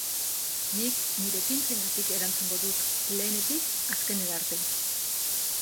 Nik nire ekintzengatik erantzungo dut, lehenetik azkenera arte.